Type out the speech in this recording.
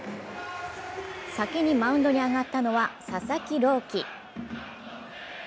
先にマウンドに上がったのは佐々木朗希。